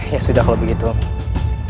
ya sudah kalau begitu aku